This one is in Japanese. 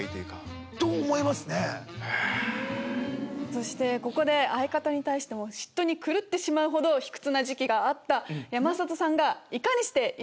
そしてここで相方に対しても嫉妬に狂ってしまうほど卑屈な時期があった山里さんが。